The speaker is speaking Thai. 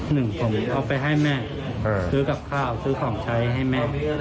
หนึ่งผมเอาไปให้แม่ซื้อกับข้าวซื้อของใช้ให้แม่